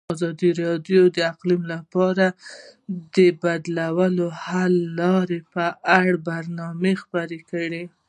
ازادي راډیو د اقلیم لپاره د بدیل حل لارې په اړه برنامه خپاره کړې.